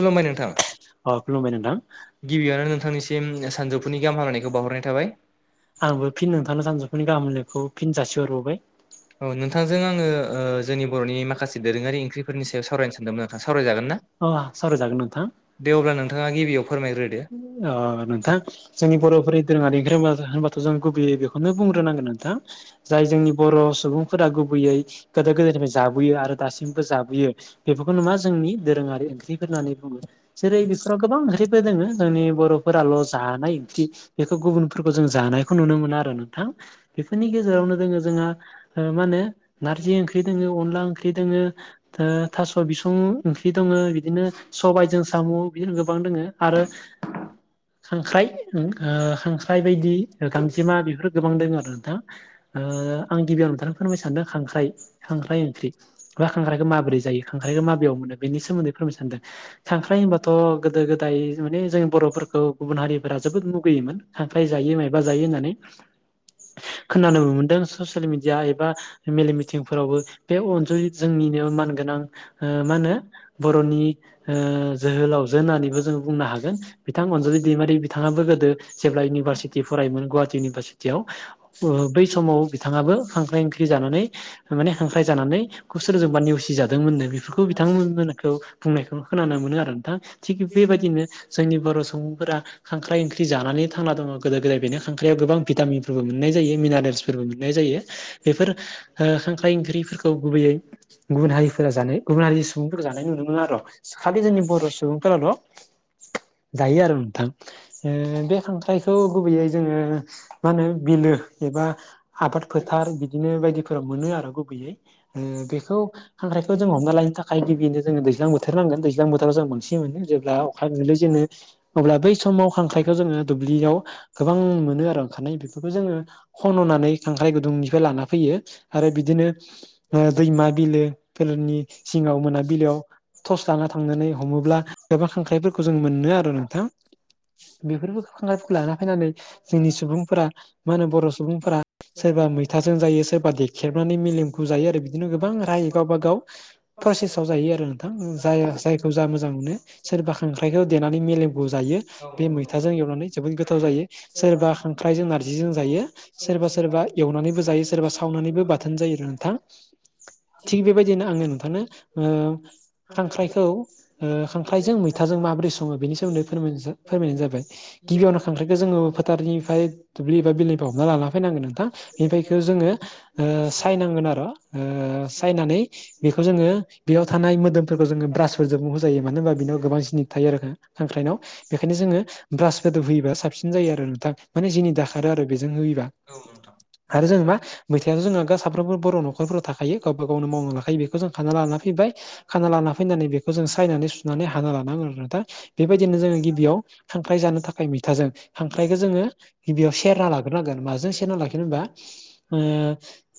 खुलुमबाय नोंथां अ खुलुमबाय नोंथां। गिबियावनो नोंथांनिसिम सानजौफुनि गाहाम हामलायनायखौ बावहरनाय थाबाय। आंबो फिन नोंथांनो सानजौफुनि गाहाम हामलायनायखौ फिन जासिहरबावबाय। औ नोंथांजों आङो जोंनि बर'नि माखासे। दोरोङारि ओंख्रिफोरनि सायाव सावरायनो सानदोंमोन नोंथां, सावरायजागोन ना? अ सावरायजागोन नोंथां। दे अब्ला नोंथाङा गिबियाव फोरमायग्रो अ नोंथां जोंनि बर'फोरनि दोरोङारि ओंख्रि होनबा थ' जों गुबैयै बेखौनो बुंग्रोनांगोन नोंथां। जाय जोंनि बर' सुबुंफोरा गुबैयै गोदो गोदायनिफ्राय जाबोयो आरो। दासिमबो जाबोयो बेफोरखौ मा जोंनि दोरोङारि ओंख्रिफोर होननानै बुङो। जेरै बेफोराव गोबां ओंख्रिफोर दोङो। जोंनि बर'फोराल' जानाय ओंख्रि बेखौ गुबुनफोरखौ जों जानायखौ नुनो मोना आरो नोंथां। बेफोरनि गेजेरावनो दोङो जोंहा ओ मा होनो नारजि ओंख्रि दोङो अनला ओंख्रि दोङो ओ थास' बिसं ओंख्रि दङ बिदिनो सबायजों साम' बि गोबां दङ आरो खांख्राइ ओं खांख्राइ बायदि गामजेमा बेफोरो गोबां दङ आरो नोंथाङा ओ आं गिबियावनो नोंथाङा फोरमायनो सानदों खांख्राइ खांख्राइ ओंख्रि बा खांख्राइखौ माबोरै जायो खांख्राइखौ माब्रेयाव मोनो बेनि सोमोन्दै फोरमायनो सानदों खांख्राइ होनबाथ' थ' गोदो गोदाय माने जोंनि बर'फोरखौ गुबुन हारिफोरा जोबोद लुगैयोमोन खांख्राय जायो माय बिबा जायो होननानै [inaudible] खोनानोबो मोनदों ससियेल मिडिया एबा मेल मिथिंफोरावबो बे अनजुयै जोंनिनो मानगोनां ओ मा होनो बर'नि जोहोलावजो होननानैबो जोङो बुंनो हागोन। बिथां अनजलि दैमारि बिथाङाबो गोदो जेब्ला इउनिभारसिटि फरायोमोन गुवाहाटि इउनिभारसिटियाव। बै समाव बिथाङाबो खांख्राइ ओंख्रि जानानै माने खांख्राय जानानै खौ सोरजोंबा नेवसिजादोंमोननो बेफोरखौ बिथांमोनखौ बुंनायखौ खोनानो मोनो आरो नोंथां थिग बेबायदिनो जोंनि बर' सुबुंफोरा खाख्राइ ओंख्रि जानानै थांना दङ गोदो गोदाय बेनो खांख्राइयाव गोबां भिटामिन फोरबो मोननाय जायो मिनारेल्सफोरबो मोननाय जायो बेफोर ओ खांख्राइ ओंख्रिफोरखौ गुबैयै गुबुन हारिफोरा जानाय गुबुन हारिनि सुबुंफोरखौ जानाय नुनो मोना आरो खालि जोंनि बर' सुबुंफोराल' जायो आरो नोंथां ओ बे खांख्राइखौ गुबैयै जोङो मा होनो बिलो एबा आबाद फोथार बिदिनो बायदिफोराव मोनो आरो गुबैयै ओ बेखौ खांख्राइखौ जों हमना लायनो थाखाय गिबियावनो जोंनो दैज्लां बोथोर नांगोन दैज्लां बोथोराव जों बांसिन मोनो जेब्ला अखा गोलै जेनो अब्ला बै समाव खांख्राइखौ जोङो दुब्लियाव गोबां मोनो आरो ओंखारनाय बेखौ बेखौ जोङो खन'नानै खांख्राइ गुदुंनिफ्राय लाना फैयो आरो बिदिनो दैमा बिलो फलोनि सिङाव मोनाबिलोआव टर्स लाना थांनानै हमोब्ला गोबां खांख्राइफोरखौ जों मोनो आरो औ नोंथां बेफोरबोगफोरखौ लाना फैनानै जोंनि सुबुंफोरा मा होनो बर' सुबुंफोरा सोरबा मैथाजों जायो सोरबा देखेबनानै मेलेमखौ जायो आरो बिदिनो गोबां राहाय गावबा गाव प्रसेसआव जायो आरो नोंथां जाय जायखौ जा मोजां मोनो [inaudible] नानै मेलेमखौ जायो औ बे नंगौ नोंथां, मैथाजों एवनानै जोबोर गोथाव जायो सोरबा खांख्रायजों नार जिजों जायो सोरबा सोरबा एवनानैबो जायो सोरबा सावनानैबो बाथोन जायो आरो नोंथां। थिग बेबायदिनो आङो नोंथांनो ओ खांख्राइखौ ओ खांख्राइजों मैथाजों माबोरै संङो बेनि सोमोन्दै फोरमायनो जा फोरमायनाय जाबाय गिबियावनो खांख्राइखौ जोङो फोथारनिफ्राय दुब्लि एबा बिलनिफ्राय हमना लाना फैनांगोन नोंथां बेनिफ्रायख जोङो ओ सायनांगोन आरो ओ सायनानै बेखौ जोङो बेयाव थानाय मोदोमफोरखौ जोङो ब्रासफोरजों हुजायो मानो होनबा बेनियाव गोबां जि नि थायो आरो खांख्राइनाव बेखायनो जोङो ब्रास गोद होयोबा साबसिन जायो आरो नोंथां। माने जिनि दाखारो आरो बेजों होयोबा औ नोंथां आरो जोङो मा मैथायाइ' जोंहा साफ्रोमबो बर' न'खरफोराव थाखा थायो गावबा गावनो मावना लाखायो बेखौ जों खाना लाना फैबाय खाना लाना फैनानै बेखौ जों सायनानै सु नाननानै हाना लानांगोन आरोना नोंथां। बेबायदिनो जोङो गिबियाव खांख्राइ जानो थाखाय मैथाजों खांख्राइखौ जोङो गिबियाव सेरना लाग्रोनांगोन माजों सेरना लाखिनो होमबा ओ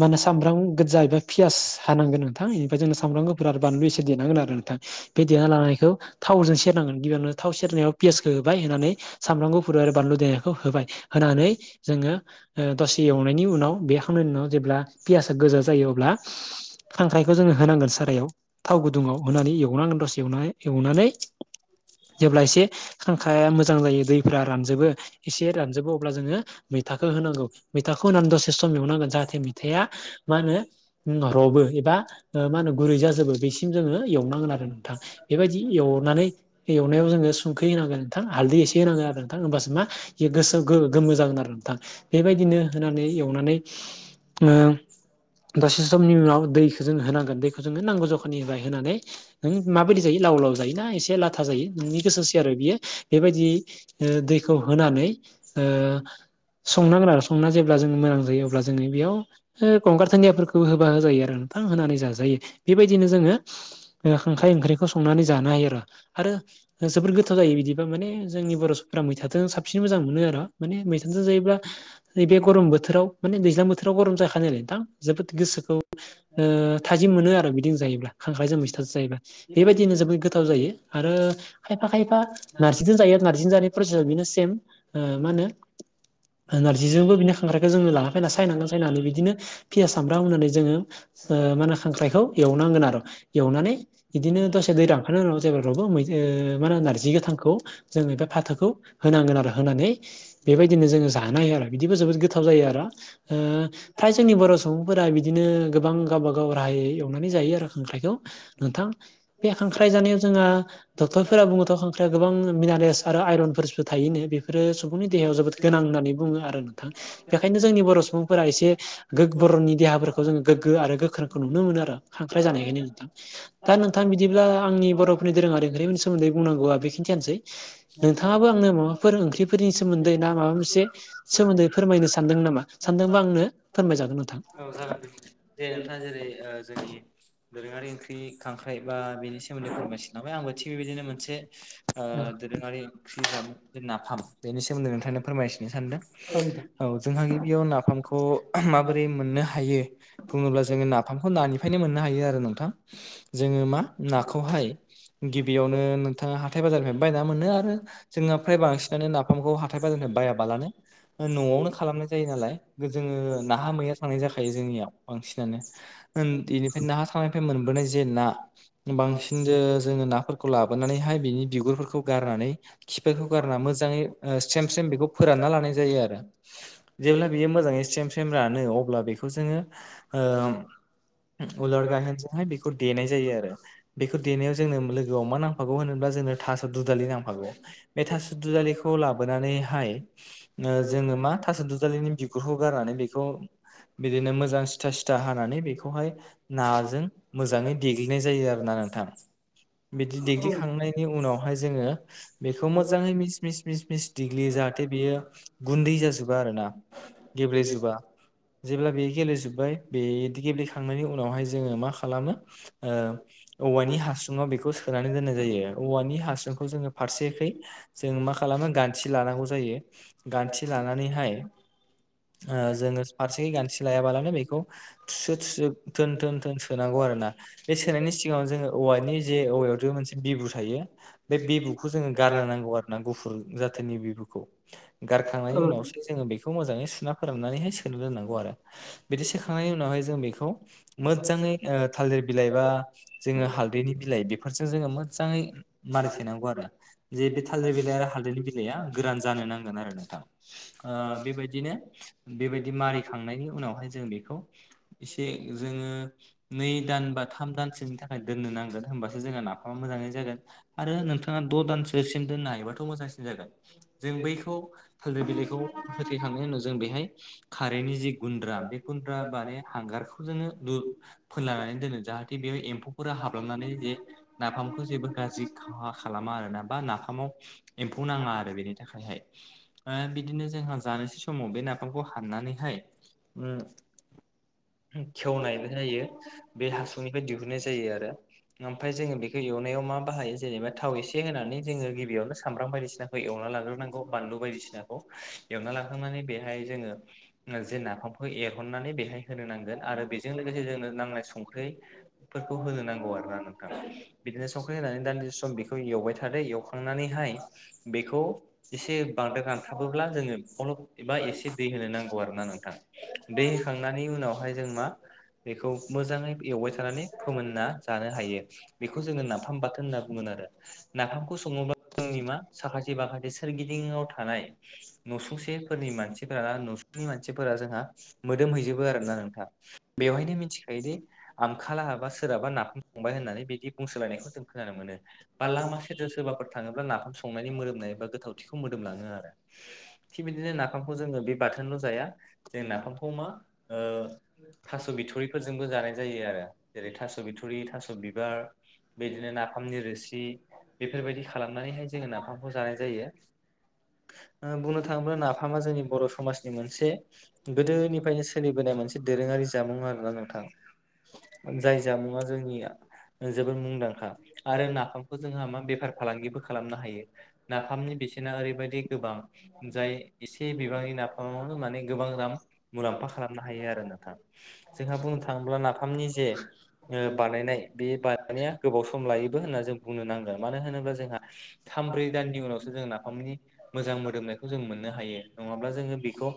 मा होनो सामब्राम गोजा एबा पियास हानांगोन नोंथां बेनिफ्राय जों सामब्राम गुफुर आरो बानलु एसे देनांगोन आरो नोंथां बे देना लानायखौ थावजों सेरनांगोन गिबियावनो थाव सेरनायाव पियासखौ होबाय होनानै सामबाम गुफुर आरो बानलु देनायखौ होबाय होनानै जोङो दसे एवनायनि उनाव बेखांनायनि उनाव जेब्ला पियासा गोजा जा जायो अब्ला खांख्राइखौ जोङो होनांगोन सारायाव थाव गुदुंङाव होनानै एवनांगोन दसे एवनानै जेब्ला इसे खांख्राया मोजां जायो दैफोरा रानजोबो एसे रानजोबो अब्ला जोङो मैथाखौ होनांगौ मैथाखौ होनानै दसे सम एवनांगोन जाहाथे मैथाया [unintelligible] उम रबो एबा ओ मा होनो गुरै जाजोबो बेसिम जोङो एवनांगोन आरो नोंथां बेबायदि एवनानै एवनायाव जोङो संखै होनांगोन नोंथां हालदै एसे होनांगो आरो नोंथां होमबासो मा बे गोसो गोमो जागोन आरो नोंथां बेबायदिनो होनानै एवनानै औ ओ दसे समनि उनाव दैखौ जोंङो होनांगोन दैखौ जोङो नांगौ जखानि होनानै नों माबायदि जायो लाव लाव जायो ना एसे ला गथा जायो नोंनि गोसोसै आरो बियो बेबायदि दैखौ होनानै ओ संनांगोन आरो संना जेब्ला जोङो मोजां जायो अब्ला जोङो बेयाव गंगार थन्दियाफोरखौ होबा होजायो आरो थां होनानै जाजायो बेबायदिनो जोङो खांख्राइ ओंख्रिखौ संनानै जानो हायो आरो आरो जोबोर गोथाव जायो बिदिबा माने जोंनि बर'फ्रा मैथाजों साबसिन मोजां मोनो आरो माने मैथाजों जायोब्ला नैबे गरम बोथोराव माने दैज्लां बोथोराव गरम जाखानायालाय नोंथां जोबोद गोसोखौ ओ थाइजिम मोनो आरो बिदिनो जायोब्ला खांख्राइजों मैथारो जायोब्ला बेबायदिनो जोबोद गोथाव जायो। आरो खायफा खायफा नार्जिजों जायो नारजिजों जानाय प्रसेसआव बेनो सेम ओ मा होनो [unintelligible] नारजिजोंबो बिनो खांख्रायखौ जोङो लाना फैना सायनांगोन सायनानै बिदिनो फियास सामबाम होननानै जोङो मा होनो खांख्राइखौ एवनांगोन आरो एवनानै बिदिनो दसे दै रानखांनायनि उनाव जे मा होनो नारजि गोथांखौ जोङो बे फाथोखौ होनांगोन आरो होनानै बेबायदिनो जोङो जानो हायो आरो बिदिबो जोबोद गोथाव जायो आरो फ्राय जोंनि बर' सुबुंफोरा बिदिनो गोबां गावबा गाव राहायै एवनानै जायो आरो खांख्राइखौ नोंथां। बे ख्राय जानायाव जोंहा डक्टरफोरा बुङोथ' खांख्राइआ गोबां मिनारेलस आरो आइरनफोर थायोनो बेफोरो सुबुंनि देहायाव जोबोद गोनां होननानै बुङो आरो नोंथां। बेखायनो जोंनि बर' सुबुंफोरा एसे गोग बर'नि देहाफोरखौ जों गोग्गो आरो गोख्रोंखौ नुनो मोनो आरो खांख्राय जानायखायनो नोंथां। दा नोंथां बिदिब्ला आंनि बर' फोरनि दोरोङारि ओंख्रिनि सोमोन्दै बुंनांगौवा बेखिनियानोसै नोथाङाबो आंनो माबाफोर ओंख्रि फोरनि सोमोन्दै ना माबा मोनसे सोमोन्दै फोरमायनो सानदों नामा सानदोंबा आंनो फोरमायजागोन नोंथां औ जागोन दे नोंथां जेरै जोंनि दोरोङारि ओंख्रि खांख्राइ बा बेनि सोमोन्दै [unintelligible] आंबो थिग बिबायदिनो मोनसे औ दोरोङारि ओंख्रि बिजाब जे नाफाम बेनि सोमोन्दै नोंथांनो फोरमायथिनो सानदों। नोंथां औ जोंहा गिबियाव नाफामखौ माबोरै मोननो हायो बुङोब्ला जोङो नाफामखौ नानिफ्रायनो मोननो हायो आरो नोंथां जोङो मा नाखौहाय गिबियावनो नोंथाङा हाथाय बाजारनिफ्रायनो बायना मोनो आरो जोंहा फ्राय बांसिनानो ना खौ हाथाय बाजारनिफ्राय बायाबालानो न'आवनो खालामनाय जायो नालाय जोङो नाहा मैया थांनाय जाखायो जोंनियाव बांसिनानो बेनिफ्राय नाहा थांनायनिफ्राय मोनबोनाय जे ना बांसिन जोङो नाफोरखौ लाबोनानैहाय बिनि बिगुरफोरखौ गारनानै खिफोरखौ गारना मोजाङै स्रेम स्रेेम बेखौ फोरानना लानाय जायो आरो जेब्ला बेयो मोजाङै स्रेम स्रेम रानो अब्ला बेखौ जोङो उलार गायेनजोंहाय बेखौ देनाय जायो आरो। बेखौ देनायाव जोंनो लोगोआव मा नांफागौ होनोबा जोंनो थास' दुदालि नांफागौ बे थास' दुदालिखौ खौ लाबोनानैहाय जोङो मा थास' दुजालिनि बिगुरखौ गारनानै बेखौ बिदिनो मोजां सिथा सिथा हानानै बेखौहाय नाजों मोजाङै देग्लिनाय जायो आरो ना नोंथां। बिदि दैग्लिखांनायनि उनावहाय जोङो बेखौ मोजाङै मिस मिस मिस मिस दिग्लियो जाहाथे बियो गुन्दै जाजोबा आरो ना गेब्लेेजोबा जेब्ला बे गेलेेजोब्बाय बे गेलेखांनायनि उनावहाय जोङो मा खालामो औवानि हासुुङाव बेखौ सोनानै दोननाय जायो औवानि हासुंखौ जोङो फारसेखै जों मा खालामो गान्थि लानांगौ जायो गान्थि लानानैहाय जोङो फारसेयै गानथि लायाबालानो बेखौ थुसो थुसो थोन थोन थोन सोनांगौ आरो ना। बे सोनायनि सिगाङाव जोङो औवानि जे औवायावथ' मोनसे बिबु थायो बे बिबुखौ जोङो गारनो नांगौ आरो ना गुफुर जाथिनि बिखौ गारखांनायनि उनावसो जोङो बेखौ मोजै सुना फोरनानैहाय सोनो रोननांगौ आरो बिदि सोखांनायनि उनावहाय जों बेखौ मोजाङै थालदिर बिलाइ बा जोङो हालदैनि बिलाइ बेफोरजों जोङो मोजाङै मानिथेनांगौ आरो जे बे थालिर बिलाय थालिद बिलाइआ गोरान जानो नांगोन आरो नोंथां बेबायदिनो बेबायदि मारिखांनायनि उनावहाय जों बेखौ एसे जोङो नै दान बा थाम दानसोनि थाखाय दोननो नांगोन होनोमबासो जोंहा नाफामा मोजाङै जागोन आरो नोंथाङा द' दानसोसिम दोननो हायोबाथ' मोजांसिन जागोन जों बैखौ फोलो बिलाइखौ होथेखांनायनि उनाव जों बेहाय खारैनि जि गुन्द्रा बे गुन्द्रा माने हांगारखौ जोङो फोनलायानानै दोनो जाहाथे बेयाव एम्फौफोरा हाबलनानै जे नाफामखौ जेबो गाज्रि खहा खालामा आरोना बा नाफामाव एम्फौ नाङा आरो बेनि थाखायहाय बिदिनो जोंहा जानोसै समाव बे नाफामखौ हाननानैहाय उ खेवनाय जायो बे हासुनिफ्राय दिहुननाय जायो आरो ओमफ्राय जोङो बेखौ एवनायाव मा बाहायो जेनेबा थाव एसे होनानै जोङो गिबियावनो सामब्राम बायदिसिनाखौ एवना लाग्रोनांगौ बानलु बायदिसिनाखौ एवना लाग्रोनानै बेहाय जोङो जे नाफामखौ एरहननानै बेहाय होनो नांगौ आरो बे बेजों लोगोसे जोंनो नांलाय संख्रिफोरखौ होनो नांगौ आरोोना नोंथां बिदिनो संख्रि होनानै दान्दिसे सम बेखौ एवबाय थादो एवखांनानैहाय बेखौ एसे बांद्र गान्थाबोब्ला जोङो एबा एसे दै होनो नांगौ आरो ना नोंथांा दै होखांनायनि उनावहाय जों मा बेखौ मोजाङै एवबाय थानानै फोमोनना जानो हायो बेखौ जोङो नाफाम बाथोन होनना ब बुंङोन आरो नाफामखौ सङोब्ला जोंनि मा साखासे माखाथि सोरगिदिंाव थानाय नसुंसेफोरनि मानसिफोरा ना नसुंनि मानसिफोरा जोंहा मोदोमहैजोबो आरोोना नोंथाङ बेवहायनो मिथिखायोदि आमखालाहाबा सोरहाबा नाफाम फंबाय होननानै बिदि बुंसोलायनायखौ जों खोनानो मोनो बा लामा सदेर सोरबाफोर थाङोब्ला नाफाम संनायनि मोदोमनाय एबा गोथावथिखौ मोदोमलाङो आरो थिग बिदिनो नाफामखौ जोङो बे बाथोनल' जाया जों नाफामखौ मा थास' बिथ'रिफोरजों जानाय जायो आरो जेरै थास' बिथ'रि थास' बिबार बिदिनो नाफामनि रोसि बेफोरबायदि खालामनानैहाय जोङो नाफामखौ जानाय जायो बुंनो थाङोब्ला नाफामा जोंनि बर' समाजनि मोनसे गोदोनिफ्रायनो सोलिबोनाय मोनसे दोरोङारि जामुं आरोना नोंथां - जाय जामुङा जोंनिया जोबोद मुंदांखा आरो नाफामखौ जोंहा मा बेफार फालांगिबो खालामनो हायो नाफाम बेसेना ओरैबायदि गोबां जाय एसे बिबांनि नाफामावनो माने गोबां राम मुलाम्फा खालामनो हायो आरो नाथां जोंहा बुंनो थाङोब्ला नाफामनि जे बानायनाय बे बानायनाया गोबाव सम लायोबो होनना जों बुंनो नांगोन मानो होन्ला जों थ्रै दाननि उनावसो जों नाफामनि मोजां मोदोमनाय खौ जों मोननो हायो नङाब्ला जोङो बेखौ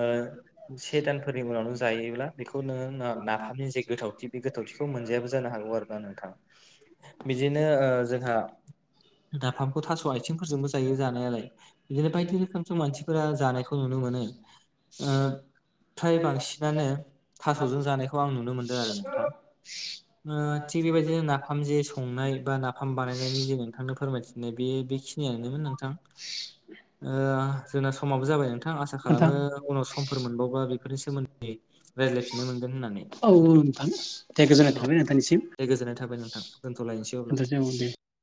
ओ‌ से दानफोरनि उनाव नों जायोब्ला बेखौ नोङो नाफामनि जे गोथावथि बे गोथावथिखौ मोनजायाबो जानो हागौ आरो ना नोंथाङा बिदिनो ओ जोंहा नाफामखौ थास' आथिंफोरजोंबो जायो जानायालाय बिदिनो बायदि रोखोमजों मानसि फोर जानायखौ नुनो मोनोओ फ्राय बांसिनानो थास'जों जानायखौ आं नुनो मोनदों आरो नोंथां ओ थिग बेबायदिनो नाफाम जे संनाय बा नाफाम बानायनायनि जेन नोंथांनो फोरमायथिनाय बे बेखिनियानोमोन नोंथां [inaudible] ओ जोंना समाबो जाबाय नोंथां आसा नोंथां। खालामो उनाव समफोर मोनबावबा बेफोरनि सोमोन्दै रायज्लायफिननो मोनगोन होननानै औ औ नोंथां दे गोजोननाय औ थाबाय नोंथांनिसिम। दे गोजोननाय थाबाय नोंथां दोन्थ'लायनोसै अब्ला नोंथांसिम दे